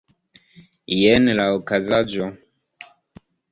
Jen la okazaĵo.